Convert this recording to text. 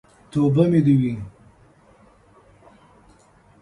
توبه مې دې وي.